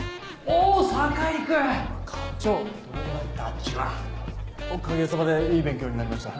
おかげさまでいい勉強になりました。